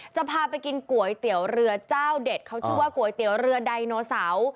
จะพาไปกินก๋วยเตี๋ยวเรือเจ้าเด็ดเขาชื่อว่าก๋วยเตี๋ยวเรือไดโนเสา